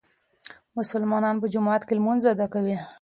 مسلمانان په جومات کې لمونځ ادا کوي.